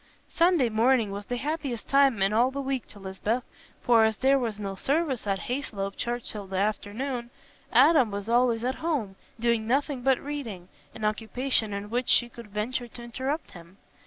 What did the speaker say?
Sunday morning was the happiest time in all the week to Lisbeth, for as there was no service at Hayslope church till the afternoon, Adam was always at home, doing nothing but reading, an occupation in which she could venture to interrupt him.